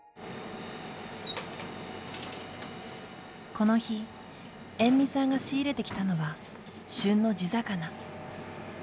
この日延味さんが仕入れてきたのは旬の地魚。